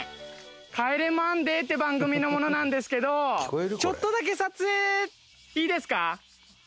『帰れマンデー』って番組の者なんですけどちょっとだけ撮影いいですか？